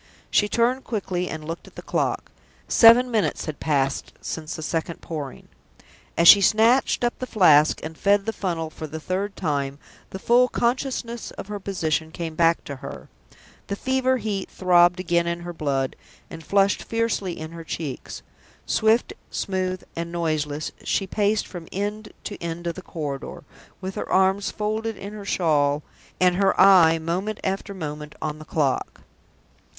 She turned quickly, and looked at the clock; seven minutes had passed since the second Pouring. As she snatched up the Flask, and fed the funnel for the third time, the full consciousness of her position came back to her. The fever heat throbbed again in her blood, and flushed fiercely in her cheeks. Swift, smooth, and noiseless, she paced from end to end of the corridor, with her arms folded in her shawl and her eye moment after moment on the clock.